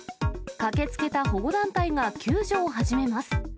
駆けつけた保護団体が救助を始めます。